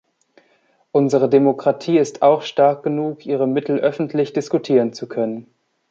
Unsere Demokratie ist auch stark genug, ihre Mittel öffentlich diskutieren zu können.